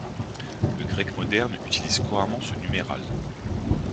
Le grec moderne utilise couramment ce numéral.